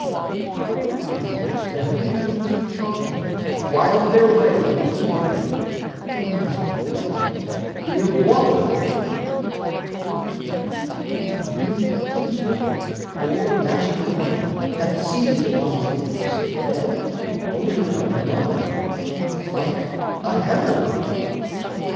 How readily The heavy fumes of charcoal wind their way Into the brain, unless beforehand we Of water 've drunk. But when a burning fever, O'ermastering man, hath seized upon his limbs, Then odour of wine is like a hammer blow.